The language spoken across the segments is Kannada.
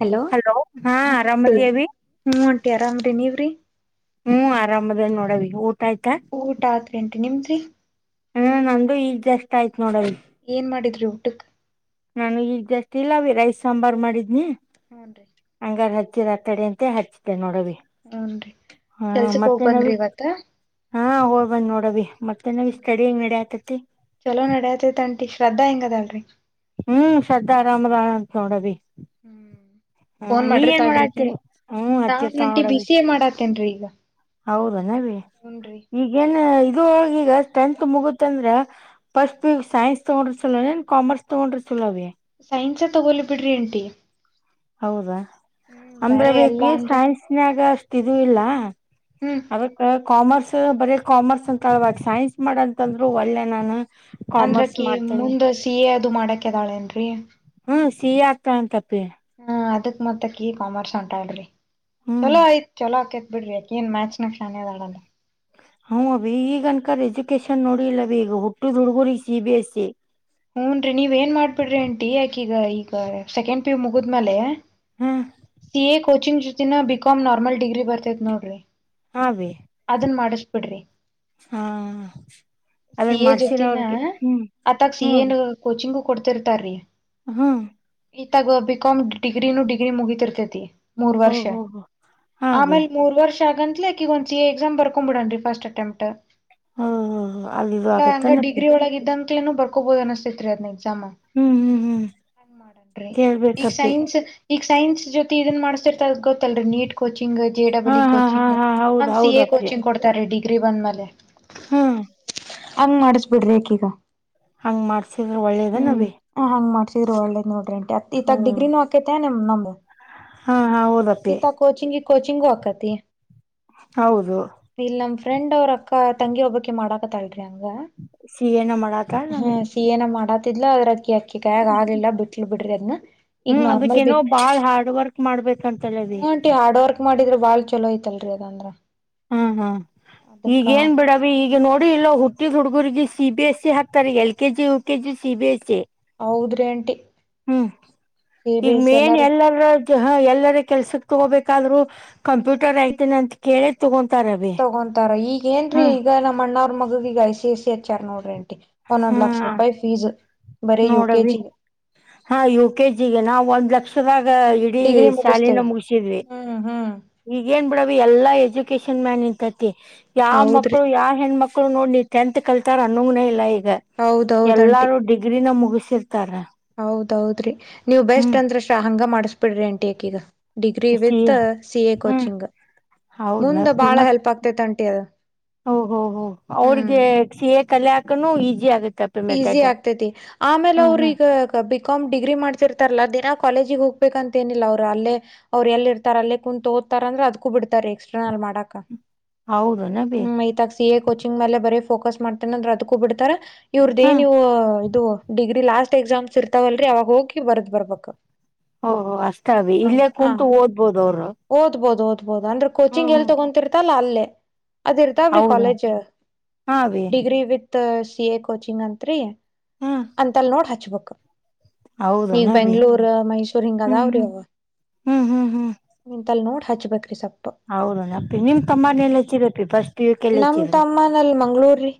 ಹಲೋ ಹಾ ಹ ಆಂಟಿ ಆರಾಮದೇವಿ ಹೂ ಅಂಟಿ ಆರಾಮ್ರಿ ನಿವರಿ ಹ್ಮ್ ಆರಾಮದೇನ ನೋಡವಿ ಊಟ ಆಯ್ತಾ ಊಟ ಆತ್ರಿ ಆಂಟಿ ನಿಮ್ದ್ರಿ ಹೂ ನಂದು ಈಗ್ ಜಸ್ಟ್ ಆಯ್ತ್ ನೋಡವ್ವಿ ಏನ್ ಮಾಡಿದ್ರಿ ಊಟಕ್ ನಾನು ಈಗ ಜಾಸ್ಟ್ ಇಲ್ಲವ್ವಿ ರೈಸ್ ಸಾಂಬಾರ್ ಮಾಡಿದ್ನಿ ಹೂ ನ್ರೀ ತಿರ ತಡಿ ಅಂತ ಹೇಳಿ ಹಚ್ದೆ ನೋಡವ್ವಿ ಹೂ ನ್ರಿ ಕೆಲ್ಸಕ್ ಹೋಗ್ ಬಂದ್ರಿ ಇವತ್ತ ಹಾ ಹೋಯಿಬಂದ್ ನೋಡವಿ ಮತ್ತೆ ನಿನ್ ಸ್ಟಡಿ ಹೆಂಗ್ ನಡಿಯಾತೈತಿ ಇ ಶ್ರದ್ಧಾ ಹೆಂಗ್ ಅದಾಳ್ರಿ ಹ್ಮ್ ಶ್ರದ್ಧ ಆರಾಮದಳ ಅಂತ ನೋಡಾವಿ ಹ್ಮ್ ಫೋನ್ ಮಾಡ್ರಿತಾಳ್ರಿ ಮಾಡಾತ್ತಿ ತಗಿ ಹ್ಮ್ ಕಾಲ್ ಹಚ್ಚಿರ್ತಾಳ ಗಂಟಿ ಬಿಸಿಏ ಮಾಡತ್ ತೆನ ರಿ ಈಗ ಹೌದೆನ ಅವಿ ಹೂನ್ರಿ ಈಗೇನ ದು ಳ್ಗೀಗ ಟೆಂತ್ ಮುಗುತ್ ಅಂದ್ರ ಫಸ್ಟ್ ಪಿಯುಗ್ ಸೈನ್ಸ್ ತಗೊಂಡ್ರ ಚಲೋ ನಾ ಕಾಮರ್ಸ್ ತಗೊಂಡ್ರ ಚಲೋ ಅವಿ ಸೈನ್ಸ ತಗೋಲಿ ಬಿಡ್ರಿ ಆಂಟಿ ಹೌದಾ ಅಂದ್ರವಿ ಆಕಿ ಎಲ್ಲಾ ಅಂದ್ರ ಸೈನ್ಸ್ಯಾಗ ಅಷ್ಟಿದು ಇಲ್ಲಾ ಹ್ಮ್ ಅದಕ್ಕ ಕಾಮರ್ಸ್ ಬರೆ ಕಾಮರ್ಸ್ ಅಂತಳವ್ವ ಅಕ್ಕಿ ಸೈನ್ಸ್ ಮಾಡಂತಂದ್ರು ವಲ್ಲೆ ನಾನು ಕಾಮರ್ಸ್ ಅಂದ್ರಕಿ ಮಾಡ್ತೇನಿ ಮುಂದ ಸಿ ಎ ಅದು ಮಾಡಕಿದಾಳೇ ಏನ್ರಿ ಹ್ಮ್ ಸಿ ಎ ಆಗ್ತಾಳಂತ್ ಅಪ್ಪಿ ಹ ಅದಕ್ ಮತ್ತಕಿ ಕಾಮರ್ಸ್ ಅಂತಾಳ್ರಿ ಹ್ಮ್ ಚಲೋ ಆಯ್ತ್ ಚಲೋ ಆಕೇತ್ ಬಿಡ್ರಿ ಅಕಿ ಏನ್ ಮ್ಯಾತ್ಸ್ ನಾಗ್ ಶ್ಯಾಣೆ ಅದಾಳಲ್ಲ ಹೂ ಅವ್ವಿ ಈಗನ್ಕದ್ ಎಜುಕೇಶನ್ ನೋಡಿಯಲ್ಲವ್ವಿ ಈಗ ಹುಟ್ಟದ್ ಹುಡ್ಗುರಿಗ್ ಸಿ ಬಿ ಎಸ್ ಸಿ ಹೂನ್ರೀ ನೀವೇನ್ ಮಾಡ್ಬಿಡ್ರಿ ಅಂಟಿ ಆಕೀಗ ಈಗ ಸೆಕೆಂಡ್ ಪಿ ಯು ಮುಗಿದ್ಮೇಲೆ ಹಾ ಸಿ ಎ ಕೋಚಿಂಗ್ ಜೊತಿನ ಬಿಕಾಂ ನಾರ್ಮಲ್ ಡಿಗ್ರಿ ಬರ್ತೇತ್ ನೋಡ್ರಿ ಹಾ ಅವಿ ಅದನ್ ಮಾಡಿಸ್ಬಿಡ್ರಿ ಹಾ ಸಿ ಅದನ್ನ ಎ ಮಾಡ್ಸಿರ ಜ್ಯೊತಿನ ಅವ್ರಿಗೆ ಹ್ಮ್ ಆತಾಗ್ ಸಿ ಎ ನು ಕೋಚಿಂಗ್ ಕೊಡ್ತಿರ್ತಾರೀ ಹ್ಹ ಇತಗ್ ಬಿಕೊಮ್ ಡಿಗ್ರೀ ನು ಡಿಗ್ರಿ ಮುಗಿತಾ ಇರ್ತೀತೆ ಮೂರ ಹೋ ವರ್ಷ ಹೋ ಹೋ ಹಾ ಅಭಿ ಆಮೇಲೆ ಮೂರು ವರ್ಷ ಆಗಂತ್ಲೆ ಅಕಿಗೊಂದ್ ಸಿ ಎ ಎಕ್ಸಾಮ ಬರಕೊಂಬಿಡನ್ರೀ ಫರ್ಸ್ಟ್ ಅಟೆಮ್ಟ ಹೋ ಹೋ ಹೋ ಅಲ್ಲಿ ಇದು ಇಲ್ಲ ಹಂಗ ಆಗತ್ತೇನಪ್ಪಿ ಡಿಗ್ರಿ ಒಳಗ ಇದ್ದಂತ್ಲೇನು ಬರ್ಕೋಬೋದು ಅನಿಸ್ತತೇತ್ರಿ ಅದ್ನಗ್ ಸಾಮ ಹ್ಮ್ ಹ್ಮ್ ಹ್ಮ್ ಹಂಗ ಮಾಡಂತ್ರಿ ಈಗ್ ಕೇಳ್ಬೇಕಪ್ಪಿ ಸೈನ್ಸ್ ಈಗ್ ಸೈನ್ಸ್ ಜೊತೆ ಇದನ್ ಮಾಡ್ಸ್ತಿರ್ತ ಅದ್ ಗೊತ್ತಲ್ರಿ ನೀಟ್ ಕೋಚಿಂಗ್ ಜೆ ಹಾ ಡಬಲ್ ಇ ಹಾ ಹಾ ಕೋಚಿಂಗ್ ಹಾ ಹೌದ್ ಸಿ ಎ ಹೌದಪ್ಪಿ ಕೋಚಿಂಗ್ ಕೊಡ್ತಾರ್ರಿ ಡಿಗ್ರಿ ಬಂದ್ಮೇಲೆ ಹ್ಮ್ ಹಂಗ್ ಮಾಡಿಸ್ಬಿಡ್ರಿ ಆಕಿಗ ಹಂಗ್ ಮಾಡ್ಸಿದ್ರ ಒಳ್ಳೇದೇನವ್ವಿ ಇರು ಒಳ್ಳೇದ್ ನೋಡ್ರಿ ಆಂಟಿ ಅತ್ ಈತಾಗ್ ಡಿಗ್ರಿನೂ ಆಕೈತೆ ನಿಮ್ ನಮ್ದ್ ಹಾ ಹಾ ಓದಪ್ಪಿ ಕೋಚಿಂಗು ಆಕ್ಕತಿ ಹೌದು ಫ್ರೆಂಡ್ ಅವ್ರಕ್ಕ ತಂಗಿ ಒಬ್ಬಕಿ ಮಾಡಕತ್ತಾಳ್ರಿ ದಂಗ ಸಿ ಏನ ಮಾಡತಾಳ ಹಾ ನವಿ ಸಿ ಎ ನ ಮಾಡಾತ್ ತಿದ್ಲು ಅದ್ರ ಅಕ್ಕಿ ಅಕ್ಕಿ ಕೈಯ್ಯಗ್ ಆಗ್ಲಿಲ್ಲ ಬಿಟ್ಲು ಬಿಡ್ರಿ ಅದ್ನ ಈಗ ಹ್ಮ್ ನಾರ್ಮಲ್ ಬಿ ಅದಕ್ಕೇನೋ ಬಾಳ್ ಹಾರ್ಡ್ ವರ್ಕ್ ಮಾಡ್ಬೇಕಂತಲವಿ ಹು ಆಂಟಿ ಹಾರ್ಡ್ ವರ್ಕ್ ಮಾಡಿದ್ರ ಬಾಳ್ ಚಲೋಐತಲ್ರಿ ಅದಂದ್ರ ಹ್ಮ್ ಹ್ಮ್ ಅದಕ್ಕ ಈಗೇನ್ ಬಿಡವಿ ಈಗ್ ಈಗ ನೋಡಿ ಇಲ್ಲ ಹುಟ್ಟಿದ್ ಹುಡುಗರ್ರಿಗೆ ಸಿ ಬಿ ಎಸ್ ಸಿ ಹಾಕ್ತಾರೆ ಈ L K G U K G C B S C ಹೌದ್ರ ಅಂಟಿ ಹ್ಮ್ ಈಗ ಮೇನ್ ಎಲ್ಲರ ಎಲ್ಲರ ಕೆಲ್ಸಕ್ ತಗೋಬೇಕಾದ್ರು ಕಂಪ್ಯೂಟರ್ ಆಐತೇನೆ ಅಂತ ಕೇಳಿ ತಗ ತಗೊಂತಾರ ಈಗ ಏನ್ರೀ ಈಗ ನಮ್ಮ ಅಣ್ಣ ಅವ್ರ ಮಗ ಈಗ ಐ ಸಿ ಐ ಸಿ ಹಚ್ಚಾರ್ ನೋಡ್ರಿನ್ರಿ ಹಾ ಲಕ್ಷ ರೂಪಾಯ ಫೀಸ್ ಬರೆ ಯುಕ ನೋಡವಿ ಚ ಹಾ ಯು ಕೆ ಜಿಗೆ ನಾವವು ಒಂದ್ ಲಕ್ಷದಾಗ ಇಡೀ ಡಿಗ್ರಿ ಸ್ಯಾಲಿನ ಮುಗಿಸ್ತೇವಿ ಮುಗಿಸಿದ್ವಿ ಹ್ಮ್ ಹ್ಮ್ ಈಗ ಏನ್ ಬಿಡವ ಎಲ್ಲಾ ಎಜುಕೇಶನ್ ಮ್ಯಾನ್ ಇಂತತಿ ಯಾವ ಹೌದ್ರಿ ಮಕ್ಳು ಯಾವ ಹೆಣ್ಮಕ್ಳು ಮ ನೋಡ್ ಟೆಂತ್ ಕಲ್ತಾರ ಅನ್ನಂಗನೆ ಇಲ್ಲ ಈಗ ಹೌದೌದ್ ಆಂಟಿ ಎಲ್ಲಾರು ಡಿಗ್ರಿನ ಮುಗಸಿರ್ತಾರ ಹೌದೌದ್ರಿ ನೀವ್ ಹ್ಮ್ ಬೆಸ್ಟ್ ಅಂದ್ರೆ ಶ ಹಂಗ ಮಾಡಿಸಬಿಡ್ರಿ ಅಂಟಿ ಯಾಕೀಗ ಡಿಗ್ರಿ ವಿತ್ ಸಿಎ ಕಚಿಂಗ್ ಹೌದ ಮ ಅದ ಹೋ ಹ ಹ್ಮ್ ಅವ್ರಿಗೆ ಕಲೆ ಹಾಕನು ಈಸಿ ಆಗುತ್ತೆ ಈಸಿ ಆಗ್ತೈತಿ ಆಮೇಲೆ ಅವ್ರ ಹಾ ಈಗ ಬಿಕಾಮ್ ಡಿಗ್ರಿ ಮಾಡ್ತಿರ್ತಾರಲ್ಲಾ ದಿನಾ ಕಾಲೇಜಿಗೆ ಹೋಗ್ ಹ ಬಬೇಕಂತ ನಿಲ್ಲ ಅವ್ರು ಅಲ್ಲೇ ಅವ್ರು ಎಲ್ಲಿ ಇರ್ತಾರ ಅಲ್ಲೇ ಕುೂತ್ ದತ ಅಂದ್ರ ಅದ್ಕೂ ಬಿಡ್ತ ಎಕ್ಸ್ಟ್ರಾನ ಅಲ್ ಮಾಡಕ ಹೌದು ನ ಬಿ ಸಿ ಎ ಕೋಚಿಂಗ್ ಮೇಲೆ ಬರೀ ಫೋಕಸ್ ಮಾಡ್ತೇನ ಅಂದ್ರೆ ಅದಕ್ಕೂ ಬಿಡ್ತಾರೆ ಹಾ ಇವ್ರದೇನ್ ನೀವು ಇದು ಡಿಗ್ರಿ ಲಾಸ್ಟ್ ಎಕ್ಸಾಮ್ಸ್ ಇರ್ತಾವಲ್ರರಿ ಅವಾಗ ಹೋಗಿ ಬರ್ದ್ ಬರ್ಬಕ್ ಓಹೋ ಅಷ್ಟಾವ ಇಲ್ಲೇ ಕುಂತು ಓದ್ಬೋದು ಅವರು ಬಹುದು ಅಂದ್ರೆ ಹ್ಮ್ ಕೋಚಿಂಗ್ ಎಲ್ಲಿ ಹ್ಮ್ ತೊಗೊಂತಿರ್ತಲ್ಲ ಅಲ್ಲೇ ಅದ್ ಇರ್ತಾವ್ರಿ ಹೌದ ಕಾಲೇಜ್ ಹಾ ಅವಿ degree with C A coaching ಅತ್ರಿ ಹಾ ಅಂತಲ್ ನೋಡ್ ಹಚ್ಬೇಕು ಈಗ ಹೌದನ ಅವಿ ಬೆಂಗಳೂರ್ ಮೈಸೂರ್ ಹಿಂಗ ಹ್ಮ್ ಅದಾವ್ರಿ ಹ್ಮ್ ಅವ ಹ್ಮ್ ಅ ನೋಡ್ ಹಚ್ಬೇಕು ರೀ ಸರ್ ಹೌದ ಅಪ್ಪಿ ನಿಮ್ ತಮ್ಮಾನ ಎಲ್ಲ ಹೆಚ್ಚಿರತಿ ಫಸ್ಟ್ ಇವಕ್ಕೆ ಎಲ್ಲ ನಮ್ ಹೆಚ್ಚಿದ್ರಿ ತಮ್ಮನಲ್ಲಿ ಮಂಗ್ಳೂರ್ರಿ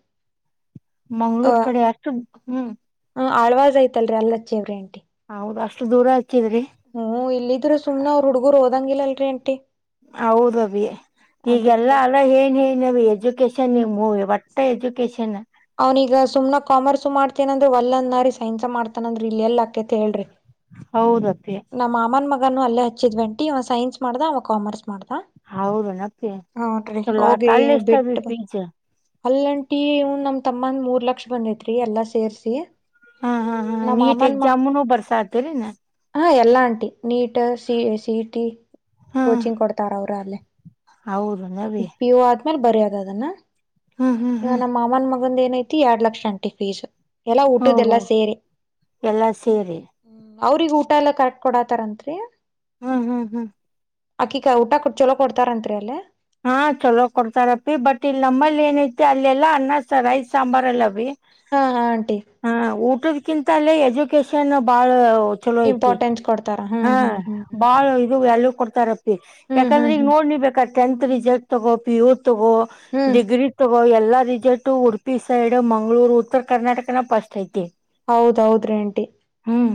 ಮಂಗ್ಳೂರ್ ಕಡೆ ಅಷ್ಟು ಹ್ಮ್ ಹ ಆಳ್ವಾಜ್ಐತಲ್ರಿ ಅಲ್ಲಿ ಹಚ್ಚೇವ್ರೀಂಟಿ ಹೌದುಷ್ಟು ದೂರ ಆ ಹ್ಮ್ ಇಲ್ಲಿದ್ರೆ ಸುನೆ ಅವ್ರ ಹುಡ್ಗರು ಹಓದಂಗಿಲ್ಲಲ್ರರಿ ಅಂಟಿ ಹೌದಬಿ ಈಗೆಲ್ಲಾ ಅಲ್ಲ ಏನ್ ಎಜುಕಷನ್ ಎ ಒಟ್ಟ ಎಜುಕಷನ್ ಅವ್ನೀಗ ಸುಮ್ ಕಾಮರ್ಸ್ ಮಾಡ್ತೇನಂದ್ರ ಒಲ್ಲಂದ್ ನ ರೀ ಸೈನ್ಸ್ ಮಾಡ್ತಾನಂದ್ರಿ ಇಲ್ಲ ಎಲ್ಲಾಕೇತ್ ಹೇಳ್ರಿ ಹೌದತ್ತೆ ನಮ್ ಮಾಮನ್ ಅಲ್ಲೇ ಹಚ್ಚಿದ್ ವಂಟ ಅವ್ ಸೈನ್ಸ್ ಮಾಡ್ದ ಅವ ಕಾಮರ್ಸ್ ಮಾಡ ಹೌದನಪ್ಪಿ ಹನ್ರಿ ಚಲೋ ಹೋಗಿ ಅಲ್ಲಿ ಬಿಟ್ಟ ಎಷ್ಟಾವ ಬ ಫೀಸ್ ಅಲ್ಲಂಟಿ ಇನ್ ನಮ್ ತಮ್ಮಂದ ಮೂರ್ ಲಕ್ಷ ಬಂದೈತ್ರಿ ಎಲ್ಲಾ ಸೇರ್ಸಿ ಹಾ ಹಾ ಹಾ ನಮ್ ನೀಟ್ ಮಾಮನ್ ಮಗ ಎಕ್ಸಾಮ್ನು ಬರ್ಸಾತರಿ ನ ಹಾ ಎಲ್ಲ ಆಂಟಿ ನೀಟ್ ಸಿ ಸಿಟಿ ಹಾ ಕೋಚಿಂಗ್ ಕೊಡ್ತಾರ ಅವರು ಅಲ್ಲೇ ಹೌದು ನವೆೀ [unintelligible] ಆೇಲೆ ಬರಿಯದ ಅದನ್ನ [inaudible] ಹ್ಮ್ ಹ್ಮ್ ಹ್ಮ್ ಒಂದ್ ಏನೈಐತಿ ಎರಡ್ ಲಕ್ಷಂಟ ಫೀಸ್ ಎಲ್ಲಾ ಉಟ್ಟದೆ ಹೋಗ ಎಲ್ಲ ಸೇರಿ್ಮ ಎಲ್ಲಾ ಸೇರಿ ಅವ್ರಿಗೆ ಊಟ ಎಲ್ಲಾ ಕರೆಕ್ಟ್ ಕೊಡತಾರಂರಿ ಹ್ಮ್ ಹ್ಮ್ ಹ್ಮ್ ಅಕ್ಕಿಿಕ ಊಟ ಕೊಡ್ ಚಲೋ ಕೊಡ್ತಾರಂತ್ರಿ ಅಲ್ಲೇ ಹಾ ಹ ಚಲೋ ಕೊಡ್ತಾರಪಿ ಬಟ್ ಇಲ್ಲಿ ನಮ್ಮಲ್ಲಿ ಏನೈತಿ ಅಲ್ಲೆಲ್ಲಾ ಅನ್ನ ಸಾಂಬರ್ರೈಸ್ ಸಾಂಬಾರ್ ಎಲ್ಲ ಭೀ ಹಾ ಹಾ ಆಂಟಿ ಕಿಂತಲ್ಲಿ ಎಜುಕೇಶನ್ ಬಾಳ ಚಲೋ ಐತಿ ಇಂಪಾರ್ಟೆನ್ಸ್ ಕೊಡ್ತಾರ ಹ ಹ್ಮ್ ಹ್ಮ್ ಹ್ಮ್ ಬಾಳ ಇದು ಎ ಕೊಡ್ತಾರಪ್ಪಿ ಹ್ಮ್ ಯಾಕಂದ್ರೆ ಹ್ಮ್ ಈಗ ಹ್ಮ್ ನೋಡ್ ನೀ ಬೇಕ ಟೆಂತ್ ರಿಸಲ್ಟ್, ತಗೂ ಪಿ ಯು ತಗೊ ಹ್ಮ್ ಡಿಗ್ರಿ ತಗೊ ಎಲ್ಲಾ ರಿಸಲ್ಟ್ ಉಡುಪಿ ಸೈಡ್ ಮಂಗ್ಗಳೂರು ಉತ್ತರ ಕರ್ನಾಟಕನ ಫಸ್ಟ್ ಐತಿ ಹೌದೌದ್ರೀ ಆಂಟಿ ಹ್ಮ್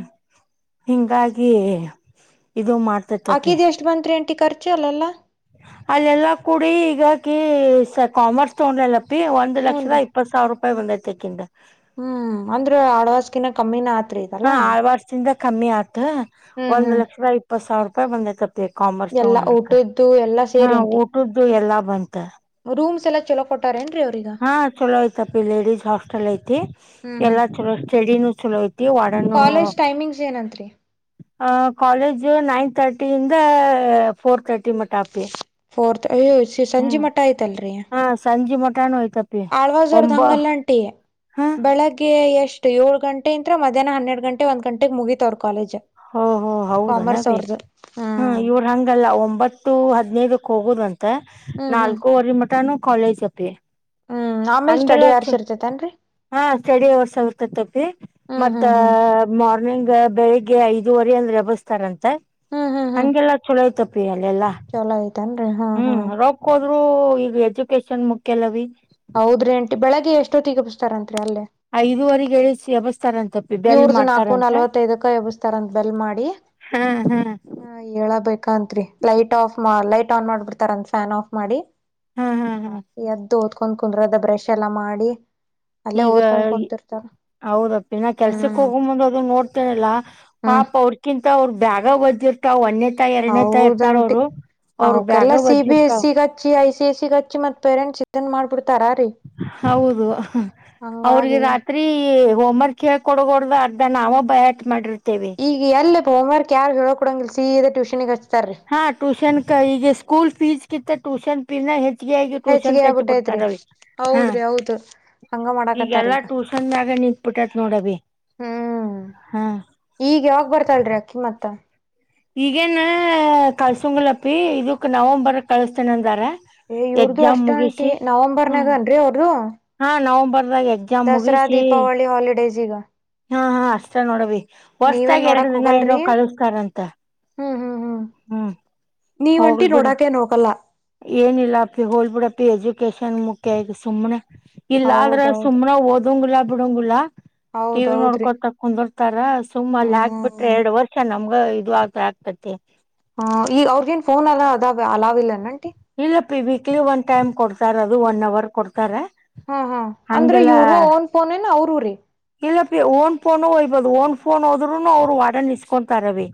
ಹಿಂಗಾಗಿ. ಇದು ಮಾಡ್ತೇತಪ್ಪಿ ಆಕಿದ ಎಷ್ಟ್ ದಿನ ಚೆಕ್ ಮಂತ್ರಿ ಆಂಟಿ ಖರ್ಚು ಅಲ್ಲಲ್ಲಾ. ಅಲ್ಲೆಲ್ಲಾ ಕೂಡಿ ಈಗಕ ಕಾಮರ್ಸ್ ತಗೊಂಡ್ರ ಎಲ್ಲ. ಬಿ ಒಂದ್ ಹೂನ್ ರೀ ಲಕ್ಷದ ಇಪ್ಪತ್ತು ಸಾವಿರ ರೂಪಾಯಿ ಒಂದೈತೆ ಅಕಿಂದ. ಹ್ಮ್ ಅಂದ್ರ ಆಳ್ವಾಸ್ ಕಿನ ಕಮ್ಮಿನ. ಆತ್ರಿ ಹಾ ಇದಲ್ಲಾ ಆಳ್ವಾಸ್ ಕಿನ್ನ ಕಮ್ಮಿ ಆತ ಹ್ಮ್ ಒಂದ್ ಹ್ಮ್ ಲಕ್ಷದ ಇಪ್ಪತ್ ಸಾವಿರ ರೂಪಾಯಿ ಬಂದೈತಪ್ಪ. ಮ ಕಾಮರ್ಸ್ ಎಲ್ಲಾ ನೋಡ್ಲಿಕ್ಕ ಊಟದ್ದು ಎಲ್ಲಾ ಹಾ ಸೇರಿ ಆಂಟಿ ಊಟದ್ದು ಎಲ್ಲಾ ಬಂತ. ರೂಮ್ಸ್ ಎಲ್ಲ ಚೊಲೋ ಕೊಟ್ಟಾರನ್. ಹಾ ಚಲೋ ಐತಪ್ಪಿ ಲೇಡೀಸ್ ಹಾಸ್ಟೆಲ್ ಐತಿ ಹ್ಮ್ ಹ್ಮ್ ಎಲ್ಲಾ ಚಲೋ ಸ್ಟಡಿನೂ ಚಲೋ ಐತಿ ಕನ್ನು [inaudible] ಫೇಸ್ ಏನ ಅಂತ್ರಿ ಅ ಕಾಲೇಜ್ ಇ ನೈನ್ ತರ್ಟಿಿಂದ ಫೋರ್ ತರ್ಟಿ ಮಟ್ಟ ಅಪ್ಪಿ ಫೋರ್ತ್ ಸಂಜಿ ಹ್ಮ್ ಮಟಾಯ ತಲ್ ರೀಯ ಹಾ ಸಂಜೆ ಮಟಾನು ಐತಪಿ ಆಳ್ವಾಜೋರ್ದ ಒಂಬ ಹಂಗಲ್ಲಂಟಿ ಹ ಬೆಳಗ್ಗೆ ಎಷ್ಟ ಇಷ್ಟ ಏಳು ಗಂಟ ಅಿಂದ್ರ ಮಧ್ಯಾಹ್ನ ಹನ್ನೆರ ಗಂೆ ಒಂದ್ ಗಂಟೆಗೆ ಮುಗಿತತ್ ಅವ್ ಕಾಲಜ್ ಹೊಓ ಹೋ ಹೌದು ನೀ ಹ್ಮ್ ಇವರು ಹಂಗಲ್ಲ ಒಂಬತ್ತು ಹದ್ಿನೈದು ಹೋಗೋುದಂತೆ ಹ್ಮ್ ಹ್ಮ್ ನಾಲ್ಕೂವರೆ ಮಟಾನು ಕಾಲೇಜ್ ಅಪ್ಪಿ ಹ್ಮ್ ಆಮೇಲ್ ಸ್ಟಡಿ ಹಂಗೆಲ್ಲಚ್ಚು ಯಾರ್ಸ್ ಇರ್ತೇತನ್ರರಿ ಹಾ ಸಡಿ ಅವರ್ ಸಗತಪ್ಪಿ ಹ್ಮ್ ಮತ್ತ ಹ್ಮ್ ಹ್ಮ್ ಮಾರ್ನಿಂಗ್ ಬೆಳಿಗ್ ಗೆ ಐದುವರೆ ಅಂದ ರೆಬಸ್ತಾರಂತೆ ಹ್ಮ್ ಹ್ಮ್ ಹ್ಮ್ ಹಂಗೆಲ್ಲಾ ಚುಲೋತಪ್ಪಿ ಅಲ್ಲ ಎಲ್ಲಾ ರ ಹಾ ಹಾ [inaudible] ಆದ್ರರು ಈಗ ಎಜುಕೇಶನ್ ಮುಖ್ಯಲ್ವೀ ಹೌದ್ರಿ ಅಂಟಿ ಬೆಳಗ್ಗೆ ಎಷ್ಟೊತ್ತಗ ಬಿಸ್ತಾರಂತ್ರಿ ಅಲ್ಲೇ ಐದುವರೆಗೆ ಹೇಳಿ ಎಬ್ಸಿ ಇವರ್ದ ನಾಕು ನಲ್ವತ್ತೈದಕ್ಕ ಎಬ್ಸತಾರಂತ ಬೆಲ್ ಮಾಡಿ ಹಾ ಹೇಳಬೇಕಂತ್ರಿ ಲೈಟ್ ಆಫ್ ಲೈಟ್ ಆನ್ ಮಾಡ್ಬಿಡ್ತಾರಂದ ಫ್ಯಾನ್ ಆಫ್ ಮಾಡಿ ಹಾ ಹಾ ಹಾ ಎದದ ಕುಂದ್ ಕುಂದ್ರ ಅದ ಬ್ರಶ್ ಎಲ್ಲಾ ಮಾಡಿ ಅಲ್ಲೇ ಈಗ ಓದ್ಕೊಂಡ್ ಕುಂತಿರ್ತಾರ ಹೌದ ಇನ್ನ ಕೆಲ್ಸಕ್ ಹ್ಮ್ ಹೋಗ ಮುಂದ ಅದ ನೋಡ್ತೇರಲ್ಲ ಹ್ಮ್ ಪಾಪ ಅವ್ರಕಿಂತ ಅವ್ರ ಬ್ಯಾಗ ಓಜ ಎರವಲು ಅವ್ ಅನ್ ಹೌದಂಟಿ ಬ್ಯಾಗ ಅವಕೆಲ್ಲ ಸಿ, ಬಿ, ಎಸ್ ಒದ್ದಿರ್ತಾವ ಸಿಗಹಚ್ಚಿ ಐ ಸೇಸಿಗಚ್ಚಿತ್ ಪೆರೆ ಚಿನ್ ಮಾಡ್ಬಿಡ [unintelligible] ಹೌದು, ಅವ್ರಿಗೆ ಹಂಗಾಗಿ ರಾತ್ರಿ ಹೋಮ್ ವರ್ಕ್ ಹೇಳಿದಕೊಡದ್ರಾಗ ಹೊಡ್ದ ಅರ್ಧ ನಾವ ಭೈಯಾಟ ಮಾಡಿರತೀವಿ. ಈಗ ಎಲ್ಲ ಹೋಮವರ್ಕ್ ಯಾರು ಹೇಳಿ ಕೊಡೋಂಗಿಲ್ಸೀದ ಟ್ಯೂಷನ್ ಗೆ ಹಚ್ಚಿ ಹಾ, ಟ್ಯೂಷನ್ ಈಗ ಸ್ಕೂಲ್ ಫೀಸ್ ಕಿಂತ ಟೂಷನ್ ಫೀನ ಹ ಹೆಚ್ಚಿಗೆಯಾಗಿ ಟ್ಯೂಷನ್ ಹೆಚ್ಚಿಗೆ ಕರ್ಚಿ ಆಗ್ಬಿಟ್ಟೈತ್ರಿ ಬಿಡ್ತಾರ. ಹಾ ಹೌದ್ರಿ ಹೌದು ಹಂಗ ಮಾಡಾಕತ್ತಾರ ಈಗೆಲ್ಲಾ ಈಗ ಟ್ಯೂಷನ್ ಮಾಗ ನಿಂತಬಿಟ್ಟೈತ್ ನೋಡ ಅವಿ. ಹ್ಮ್, ಈಗ ಯಾವಾಗ್ ಬರ್ತಲ್ರಿರಿ ಅಕ್ಕಿ ಮತ್ತ, ಈಗೇನ ಕಳ್ಸಂಗಿಲಪಿ ಇದಕ್ ನವಂಬರ್ ಕಳಸ್ತೇನ ಅಂದಾರ. ಏಯ್ ಇವ್ರದು ಅಷ್ಟ ಅಂಟಿ ಹ್ಮ್ ನವೆಂಬರ್ನಾಗನ್ರಿರಿ ಅವ್ರದು. ಹಾ ನವಂಬರ್ದಾಗ ಎಕ್ಸಾಮ್ ದಸರಾ ಮುಗಿಸಿ ದೀಪಾವಳಿ ಹಾಲಿಡೇಸ್, ಈಗ ಹಾ, ಹಾ ಅಷ್ಟ ನೋಡವಿ. ನೀವೇನ್ ಹೊರ್ಷದಾಗ ಎರಡು ನೋಡಕ್ ದಿನ ಏನೋ ಹೋಗಲ್ರಿ ಕಳಿಸತಾರಂತ. ಹ್ಮ್ ಹ್ಮ್ ಹ್ಮ್ ನೀವಂಟಿ ಹೋಗ್ಲ್ ಬಿಡು ನೋಡಾಕೆ ನೋೋಗಲ್ಲ [unintelligible] ಏನಿಲ್ಲ ಹೋಲ್ಬಿಡಪ್ಪ ಎಜುಕಷನ್ ಮುಖ್ಯ ಎದಕ ಸುಮ್ನೆ, ಇಲ್ಲ ಆದ್ರೆ ಹೌದೌದು ಸುಮ್ನೆ ಓದಂಗಿಲ್ಲಾ ಬಿಡಂಗಿಲ್ಲ ಟಿವಿ ಹೌದೌದ್ರಿ ನೋಡ್ಕೊತ ಕುಂದ ತರ ಸುಮ್ಮಲ್ಲಿ ಹಾಕ್ಬಿಟ್ರೆ ಹ್ಮ್ ಎರಡ್ ವರ್ಷ ನಮ್ಗ ಇದು ಆತರ ಆಗ್ತತಿ. ಹ್ಮ್, ಈಗ ಅವ್ರಿಗ ನ್ ಫೋನ್ ಎಲ್ಲ ಅದಾವ ಅಲಾವಿಲ್ಲನ್ಂಟಿ. ಇಲ್ಲಪಿ ವೀಕ್ಲಿ ಒನ್ ಟೈಮ್ ಕೊಡ್ತಾರ, ಅದು ಒನ್ ಅವರ್ ಕೊಡ್ತಾರ. ಹಾ, ಹಾ ಅಂದ್ರೆ ಹಂಗೆಲ್ಲಾ ಇವರು ಓನ್ ಫೋನೇನ ಅವ್ರೇರಿ, ಇಲ್ಲಪಿ ಓನ್ ಫೋನು ಹೋಯ್ಬಹುದು. ಓನ್ ಫೋನ್ ಹೋದ್ರುನೂ ಅವ್ರು ವಾಡನ್ ಇಸ್ಕೊಂತಾರ ಅಲಿ.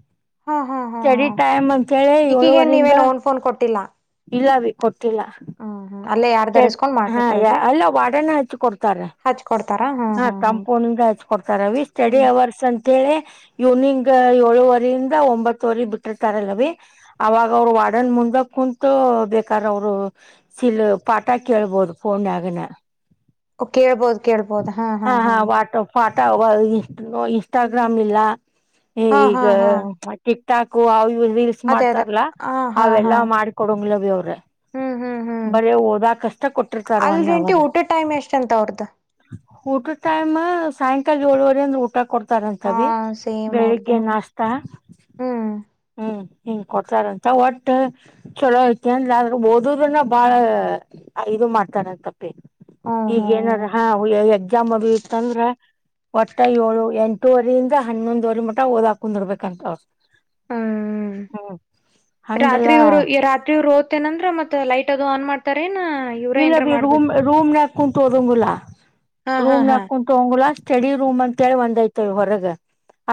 ಹಾ ಹಾ ಹಾ ಹಾ ಸ್ಟಡಿ ಟೈಮ್ ಅಂತೇಳಿ ಈಕಿಗೇನ್ ಏಳುವರಿಂದ. ನೀವೇನ್ ಓನ್ ಫೋನ್ ಕೊಟ್ಟಿಲ್ಲ ಇಲ್ಲ ರಿ ಕೊಟ್ಟಿಲ್ಲ., ಹ್ಮ್ ಹ್ಮ್ ಅಲ್ಲೇ ಸ ಯಾರ್ದಾರ ಇಸ್ಕೊಂಡ್ ಹಾ, ಮಾಡಿರ್ತಾರಲ್ರಿ ಎಲ್ಲಾವಾಡನ ಹಚ್ಚಿಕೊಡ್ತಾರ. ಹಾ, ತಮ್ಮ ಫೋನಿನಿಂದ ಹಚ್ಕೊಡ್ತಾರವಿ ಸ್ಟಡಿ ಹ್ಮ್ ಅವರ್ಸ್ ಅಂತೇಳಿ ಇವ್ನಿಂಗ್ ಏಳುವರಿ ಇಂದ ಒಂಬತ್ತುವರೆ ಬಿಟ್ಟಿರ್ತಾರಲ್ಲವಿ. ಅವಾಗ ಅವ್ರು ವಾರ್ಡನ್ ಮುಂದಾಗ ಕುಂತು ಬೇಕಾದರಅವರು ಸಿಲ್ ಪಾಠ ಕೇಳಬೋದು ಫೋನ್ಯಾಗನ. ಕೇಳ್ಬೋದು- ಕೇಳ್ಬೋದು ಹಾ, ಹಾ, ಹಾ ಇನ್ಸ್ಟಾಗ್ರಾಮ್ ಇಲ್ಲ ಹಾ ಹಾ ಈಗ ಹಾ ತಾಕು ಅವ ರೀಲ್ಸ್ ಅದೇ ಅದೇ ಮಾಡ್ತಾರಲ್ಲ ಹ ಹಾ ಹಾ ಅವೆಲ್ಲಾ ಮಾಡಕೊಡಂಗಿಲ್ಲ ಅವಿ ಅವ್ರು. ಹ್ಮ್, ಹ್ಮ್, ಹ್ಮ್ ಬರೀ ಹೋದ ಕಷ್ಟೆ ಕೊಟ್ಟಿರ್ತಾರ ಒನ್ ಅಲ್ರಿ ಆಂಟಿ ಅವರ್. ಊಟದ್ ಟೈಮ್ ಎಷ್ಟಂತ ಅವ್ರದ್ದು ಊಟದ ಟೈಮ್ ಸಾಯಂಕಾಲ ಏಳುವರೆಯಿಂದ ಊಟ ಕೊಡ್ತ ಹಾ ಇರತಾರಂತವಿ ಸೇಮ್ ಅವ್ರದು ಬೆಳಿಗ್ಗೆ ಹ್ಮ್ ನಾಷ್ಟಾ ಹ್ಮ್ ಹ್ಮ್, ಹಿಂಗ ಕೊಡ್ತಾರಂತ ಒಟ್ಟ ಚಲೋ ಐತಿ ಅಂದ ಆದ್ರೂ ಓದದಿಲ್ಲಬಾಳ ಇದು ಮಾಡ್ತಾರಂತಪ್ಪಿ ಹ್ಮ್ ಈಗ ಹ್ಮ್ ಏನಾದ್ರ ಹಾ ಎಕ್ಸಾಮ್ ಅದು ಇತ್ತಂದ್ರ., ಒಟ್ಟ ಏಳು ಎಂಟುವರಿಯಿಂದ ಹನ್ನೊಂದುವರಿ ಮುಟ ಓದಕ ಕುಂದ್ರಬೆಕಂತವಿ. ಹ್ಮ್ ಹಾ [inaudible] ರಾತ್ರಿ ಅವರು ರಾತ್ರಿಓ ದ್ತೇನಂದ್ರ ಮತ್ ಲೈಟ್ ಅದು ಆನ್ ಮಾಡ್ ಇರ್ತರೇನಇವ್ರ ಏನ್ರ ಮಾಡ್ಬೇಕ ಹಾ, ಕುಂತಹೋದಂಗಿಲ್ಲ ಹಾ ಹಾ ಹಾ ರೂಮ್ನಾಗ ಕುಂತು ಓದಂಗಿಲ್ಲಾ. ಸ್ಟಡಿ ರೂಮ್ ಅಂತೇಳಿ ಒಂದೈ್ತ್ರಿ ಹೊರಗ.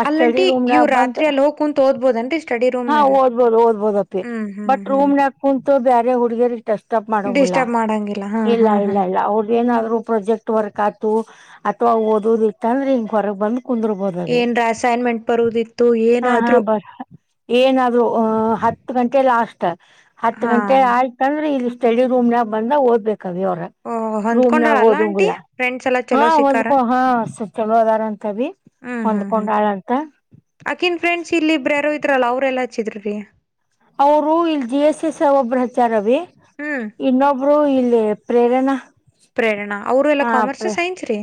ಅಲ್ಲಂಟಿ ಷ್ಟಡಿರೂಮ್ನಾಗ ಇವ್ ಬಂದ ರಾತ್ರಿ ಅಲ್ಲಿ ಹೋಗ್ ಕುಂತ್ ಓದ್ಬೋದನ್ರಿ ಸ್ಟಡಿ ಹಾ, ರೂಮ್ನಾಗ ಓದ್ಬೋದು- ಓದ್ಬೋದ ಅಂಟಿ. ಹ್ಮ್ ಹ್ಮ್ ಬಟ್ ಹ್ಮ್ ರೂಮ್ನಾಗಕ ಕುಂತು ಬೇರೆ ಹುಡ್ಗಿಯರ್ ಡಿಫ್ಟ್ ಮಾಡಿಕೊಂಡಿಲ್ಲ. ಮಾಡಂಗಲ್ಲ ಡಿಸ್ಟರ್ಬ್ ಮಾಡಂಗಿಲ್ಲ ಹಾ ಇಲ್ಲ, ಹಾ ಹಾ ಇಲ್ಲ, ಇಲ್ಲ ಅವ್ರದಏನಾದ್ರು ಪ್ರೋಜೆಕ್ಟ್ ವರ್ಕ್ ಆತು ತಗ ಓದದಿತ ಅಂದ್ರ ಹಿಂಗ ಹೊರಗ್ ಬಂದ ಕುಂದರ್ಬೋದ್ ರಿ ಏನ್ರ ಅಸೈನ್ಮೆಂಟ್ ಬರುದಿತ್ತು ಹಾ, ಹಾ ಏನಾದ್ರು ಬರ ಏನಾದ್ರು ಅ ಹತ್ತು ಗಂಟೆ ಲಾಸ್ಟ್ ಹತ್ ಹಾ ಗಂಟೆ ಆಯ್ತಂದ್ರೆ ಇಲ್ಲಿ ಸ್ಟಡಿ ರೂಮ್ನಾಗ ಬಂದ ಓದ್ಬೇಕ ಅವಿ ಅವರ. ಓ ರೂಮ್ನಾಗ ಹೊಂದ್ಕೊಂಡಾಳಲ್ಲ ಆಂಟಿ ಓದಂಗಿಲ. ಫ್ರೆಂಡ್ಸ್ ಎಲ್ಲಾ ಹಾ ಚಲೋ ಸಿಕ್ಕಾರ ಒಂದ್ಕ ಹಾ ಸ ಚೊಲ ಅದಾರ ಅಂತ ಅವಿ. ಹ್ಮ್ ಹ್ಮ್ ಹ್ಮ್ ಹೊಂದ್ಕೊಂಡಾಳಂತ? [unintelligible] ಅಕಿನ್ ಫ್ರೆಂಡ್ಸ್ ಇಲ್ಲೇ ಇಬ್ಬರ ಯಾರೋ ಇದ್ರಲ್ಲ ಅವರ ಎಲ್ಲಾ ಹಚ್ಚಿದರ [unintelligible] ಅವರು ಇಲ್ಲಿ ಜಿ ಎಸ್ ಎಸ್ ಒಬ್ರ ಹಚಾರ ಅವಿ ಹ್ಮ್ ಇನ್ನೊಬ್ರು ಇಲ್ಲಿ [unintelligible] ಪ್ರೇರನಾ ಪ್ರೇರಣಾ ಅವರು ಎಲ್ಲಾ ಕಾಮರ್ಸ್ ಸೈನ್ಸ್ ರೀ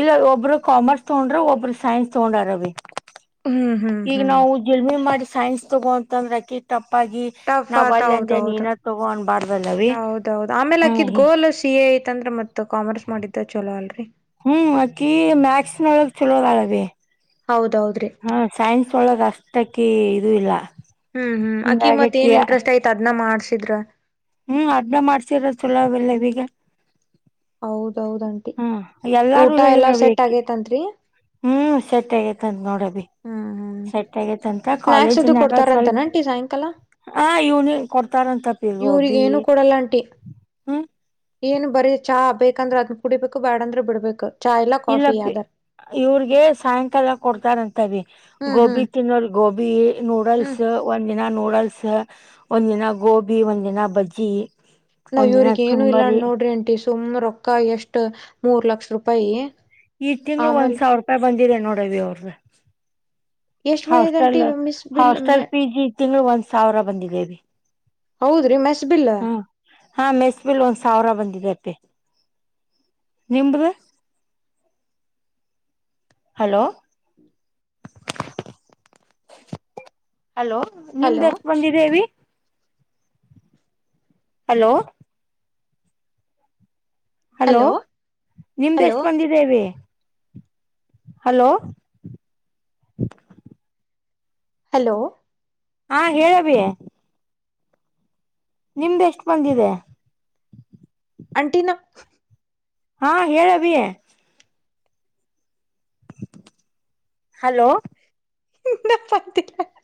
ಇಲ್ಲ ಒಬ್ರು ಕಾಮರ್ಸ್ ತಗೊಂಡ್ರ ಒಬ್ಬರು ಸೈನ್ಸ್ ತಗೊಂಡರಾ ಅವಿ [unintelligible] ಹ್ಮ್ ಹ್ಮ್ ಈಗ ಹ್ಮ್ ನಾವು ಜಿಲ್ಮೆ ಮಾಡಿ ಸೈನ್ಸ್ ತಗೋಂತಂದ್ರ ಅಕಿಗ ಟಫ್ [unintelligible] ಟಫ್ ಆಗಿ ಟಫ್ ನಾವ್ ಆತ್ ವಲ್ಲೇ ಅಂದೇ ಹೌದೌದು ನೀನ ತಗೋ ಅನಬಾರ್ದಲ್ಲ ಅವಿ ಹೌದೌದು ಆಮೇಲೆ ಹೂ ಆಕಿದ್ [unintelligible] ಗೋಲ್ ಸಿ ಎ ಐತಂದ್ರ ಮತ್ ಕಾಮರ್ಸ್ ಮಾಡಿದ್ದ ಚಲೋ ಅಲ್ರಿ ಹೂ ಆಕೀ ಮ್ಯಾಕ್ಸ್ ನೋಳಗ ಚಲೋ ಅದಾಳ ಅವಿ [unintelligible] ಹೌದೌದ್ರಿ ಹೂ ಸೈನ್ಸ್ ವಳಗ ಅಷ್ಟ ಆಕಿ ಇದು ಇಲ್ಲ. [unintelligible] ಹೂ ಹೂ ಅಕಿಗ ಮತ್ತ ಹಿಂಗಾಗಕಿ ಏನ್ ಇಂಟ್ರೆಸ್ಟ್ ಐತಿ ಅದನ ಮಾಡಸಿದರ [unintelligible] ಹೂ ಅದನ್ನ ಮಾಡಸೀದರ ಚಲೋ ಅಲ್ಲ ಅವಿಗೆ [unintelligible] ಹೌದ ಆಂಟಿ ಎಲ್ಲಾರು ಊಟ ಎಲ್ಲಾ ಹೇಳಿದ್ರವಿ ಸೆಟ್ ಅಕಿ ಆಗೇತ ಅಂತ ರೀ [unintelligible] ಹ್ಮ್ ಸೆಟ್ ಆಗೇತಂತ ನೋಡವಿ ಹ ಸೆಟ್ ಆಗೇತಂತ ನಾಳೆ ಸೂಟಿ ಕೊಡ್ತಾರಂತ ಏನ್ ಆಂಟಿ ಸಾಯಂಕಾಲ. ಹಾ ಇವನಿಗ್ ಕೊಡ್ತಾರಂತ ಅಪ್ಪಿ ಇವ್ರಿಗ್ ಗೋಬಿ ಏನು ಕೊಡಲ್ಲ ಆಂಟಿ ಹು [unintelligible] ಏನ್ ಬರೇ ಚಾ ಬೇಕಂದ್ರ ಅದನ್ ಕುಡಿಬೇಕು ಬ್ಯಾಡ್ ಅಂದ್ರ ಬಿಡ್ಬೇಕ. [unintelligible] ಇಲ್ಲ ಅಪ್ಪಿ ಇವ್ರಿಗೆ ಸಾಯಂಕಾಲ ಕೊಡ್ತಾರಂತ. ಅವಿ ಹ್ಮ್ ಗೋಬಿ ಹ್ಮ್ ತಿನ್ನೋರಿಗ್ ಗೋಬಿ, ಹ್ಮ್ ನೂಡಲ್ಸ್ ಒಂದ- [unintelligible] ದಿನಾ ನೂಡಲ್ಸ್ ಒಂದ್ ದಿನ ಗೋಬಿ ಒಂದ್ ದಿನ ಬಜ್ಜಿ [unintelligible] ನಾವ್ ಒಂದಿನ ಇವರಿಗ ಏನು ಇಲ್ಲಾ ಚುರ್ಮರಿ ನೋಡ್ರಿ ಆಂಟಿ ಸುಮ್ನ ರೊಕ್ಕ ಎಷ್ಟ ಮೂರ ಲಕ್ಷ ರೂಪಾಯಿ ಈ ತಿಂಗಳ ಒಂದ ಆಮೇಲೆ ಸಾವಿರ ರೂಪಾಯಿ ಬಂದಿದೆ ನೋಡ ಅವಿ ಅವರದ [unintelligible] ಎಷ್ಟ್ ಬಂದಿದೆ aunty hostel miss bill hostel ಫೀಜಿ ತಿಂಗಳಿಗ ಒಂದ ಸಾವಿರ ಬಂದಿದೆ ಅವ್ವಿ. [unintelligible] ಹೌದ ರೀ ಮೆಸ್ ಬಿಲ್ಲ? ಹಾ ಮೆಸ್ ಬಿಲ್ಲ ಒಂದ ಸಾವಿರ ಬಂದಿದೆ ಅಪ್ಪಿ [unintelligible] ನಿಮ್ದ? ಹಲೋ? [unintelligible] ಹಲೋ ನಿಮ್ದ ಹಲೋ ಎಷ್ಟ ಬಂದಿದೆ ಅವ್ವಿ? [unintelligible] ಹಲೋ? ಹಲೋ ನಿಮ್ದ ಹಲೋ ಎಷ್ಟ ಬಂದಿದೆ ಅವ್ವಿ? ಹಲೋ? [unintelligible] ಹಲೋ? ಹಾ ಹೇಳ ಅವ್ವಿ? [unintelligible] ನಿಮ್ದ ಎಷ್ಟ ಬಂದಿದೆ? [unintelligible] ಆಂಟಿ ನ [unintelligible] ಹಾ ಹೇಳ ಅವ್ವಿ? [unintelligible] ಹಲೋ? [unintelligible] ಇನ್ನ ಪತ್ತೆ ಇಲ್ಲ [unintelligible]